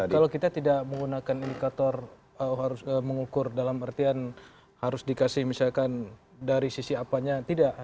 kalau kita tidak menggunakan indikator harus mengukur dalam artian harus dikasih misalkan dari sisi apanya tidak